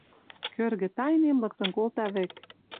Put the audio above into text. Кӧргӹ тайнем лыктын колта вӹк?